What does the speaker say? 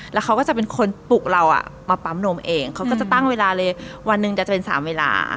แล้วเขาก็จะเป็นคนปลุกเรามาปั๊มนมเองเขาก็จะตั้งเวลาเลยวันหนึ่งจะเป็น๓เวลา